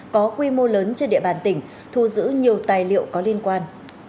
có quy mô lớn trên địa bàn tỉnh thu giữ nhiều tài liệu có liên quan